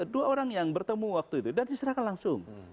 dua orang yang bertemu waktu itu dan diserahkan langsung